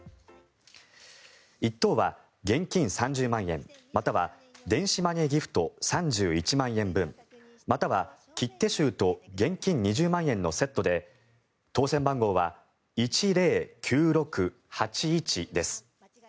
１等は現金３０万円、または電子マネーギフト３１万円分または切手集と現金２０万円のセットで当選番号は１０９６８１です。